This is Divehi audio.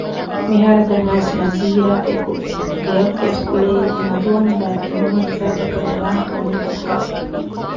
މިހާރަކަށް އައިސް ނަޒީރާއެކު ގެއަށްގޮސް އުޅޭލެއް މަދުވަމުންދާތީ މަންމަ ހިސާބަކަށް އެވާހަކަ ވަނީ ދައްކައިފަ